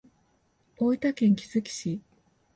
大分県杵築市